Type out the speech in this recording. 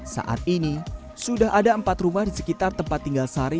saat ini sudah ada empat rumah di sekitar tempat tinggal sari